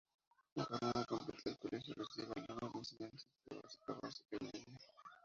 En jornada completa el colegio recibe alumnos de enseñanza pre básica, básica y media.